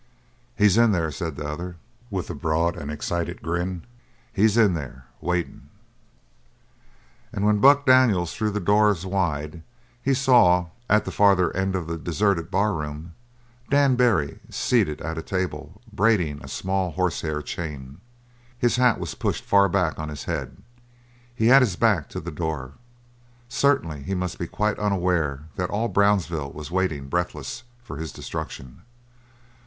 "He's in there," said the other, with a broad and excited grin. "He's in there waitin'!" And when Buck threw the doors wide he saw, at the farther end of the deserted barroom, Dan Barry, seated at a table braiding a small horsehair chain. His hat was pushed far back on his head; he had his back to the door. Certainly he must be quite unaware that all Brownsville was waiting, breathless, for his destruction.